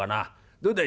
どうだい？